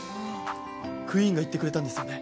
クイーンが言ってくれたんですよね？